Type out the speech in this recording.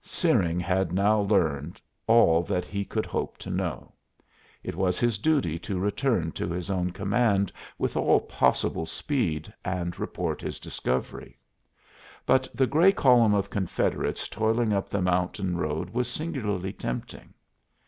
Searing had now learned all that he could hope to know. It was his duty to return to his own command with all possible speed and report his discovery. But the gray column of Confederates toiling up the mountain road was singularly tempting.